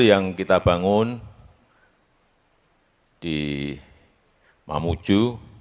yang kita bangun di mamuju